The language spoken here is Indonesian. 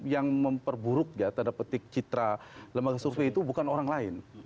yang memperburuk ya tanda petik citra lembaga survei itu bukan orang lain